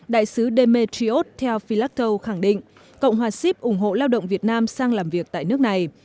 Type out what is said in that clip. đại sứ dametriot theo philacto khẳng định cộng hòa sip ủng hộ lao động việt nam sang làm việc tại nước này